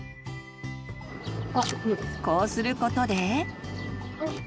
こうすることで。